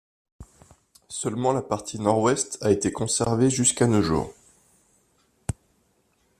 Seulement la partie nord-ouest a été conservée jusqu'à nos jours.